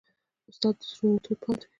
استاد د زړونو تود باد وي.